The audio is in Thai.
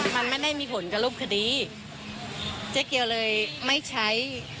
มันไม่ได้มีผลกับรูปคดีเจ๊เกียวเลยไม่ใช้